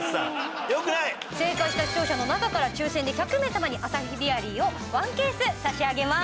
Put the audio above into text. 正解した視聴者の中から抽選で１００名様にアサヒビアリーを１ケース差し上げます。